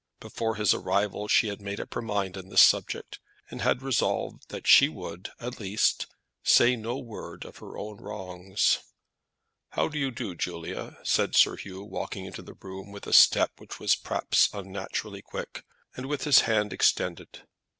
Before his arrival she had made up her mind on this subject, and had resolved that she would, at least, say no word of her own wrongs. "How do you do, Julia?" said Sir Hugh, walking into the room with a step which was perhaps unnaturally quick, and with his hand extended.